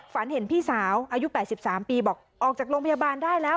ฝันเห็นพี่สาวอายุ๘๓ปีบอกออกจากโรงพยาบาลได้แล้ว